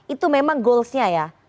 itu memang goalsnya ya